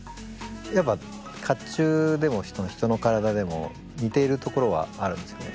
やっぱ甲冑でも人の体でも似ているところはあるんですよね。